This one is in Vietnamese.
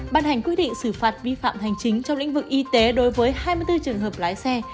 ban hành quyết định xử phạt vi phạm hành chính trong lĩnh vực y tế đối với hai mươi bốn trường hợp lái xe